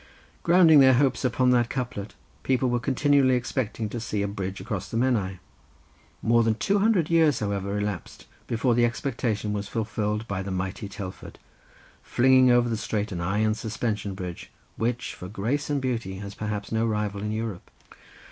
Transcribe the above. Grounding their hopes upon that couplet, people were continually expecting to see a bridge across the Menai: more than two hundred years, however, elapsed before the expectation was fulfilled by the mighty Telford flinging over the strait an iron suspension bridge, which, for grace and beauty, has perhaps no rival in Europe.